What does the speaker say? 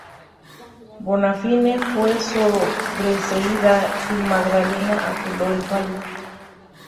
Bonafini fue sobreseída y Magdalena apeló el fallo.